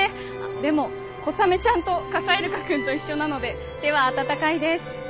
でもコサメちゃんと傘イルカくんと一緒なので手は暖かいです。